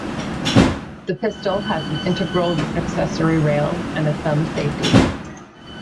The pistol has an integral accessory rail, and a thumb safety.